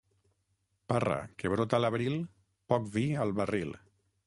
Parra que brota a l'abril, poc vi al barril.